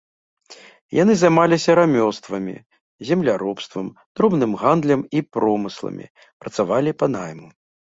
Яны займаліся рамёствамі, земляробствам, дробным гандлем і промысламі, працавалі па найму.